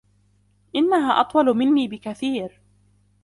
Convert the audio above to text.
إنها أطول مني بكثير.